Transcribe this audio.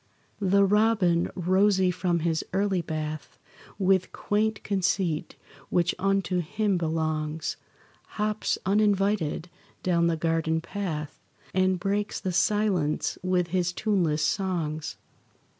The robin, rosy from his early bath, With quaint conceit, which unto him belongs, Hops, uninvited, down the garden path And breaks the silence with his tuneless songs.